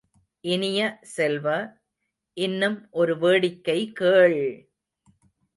இனிய செல்வ, இன்னும் ஒரு வேடிக்கை கேள்!